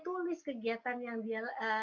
tulis kegiatan yang dia